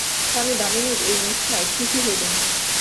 স্বামী দামিনীর এই নিষ্ঠায় খুশি হইলেন।